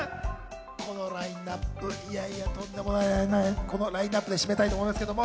このラインアップいやいやとんでもないこのラインアップで締めたいと思いますけども。